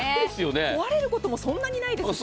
壊れることも、そんなにないですからね。